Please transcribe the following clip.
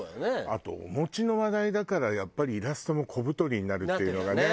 あとお餅の話題だからやっぱりイラストも小太りになるっていうのがね。